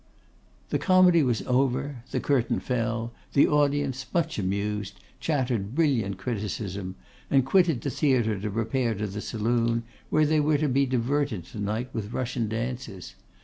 The comedy was over, the curtain fell; the audience, much amused, chattered brilliant criticism, and quitted the theatre to repair to the saloon, where they were to be diverted tonight with Russian dances.